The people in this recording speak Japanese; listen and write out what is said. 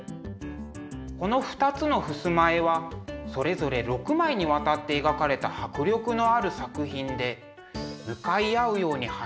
この２つの襖絵はそれぞれ６枚にわたって描かれた迫力のある作品で向かい合うように配置されていました。